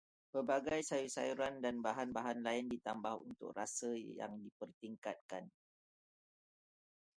Pelbagai sayur-sayuran dan bahan-bahan lain ditambah untuk rasa yang dipertingkatkan